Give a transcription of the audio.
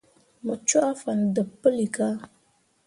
Mu cwaa fan deb puilika.